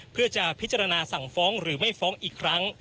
เพื่อจะพิจารณาสั่งฟ้องหรือไม่ฟ้องอีกครั้ง